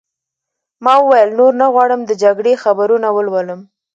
ما وویل: نور نه غواړم د جګړې خبرونه ولولم.